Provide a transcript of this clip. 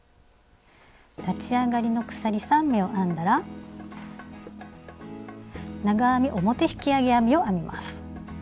立ち上がりの鎖３目を編んだら「長編み表引き上げ編み」を編みます。